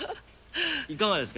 いかがですか？